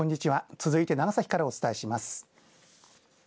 続いて、長崎からお伝えします。